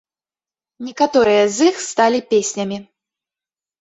Некаторыя з іх сталі песнямі.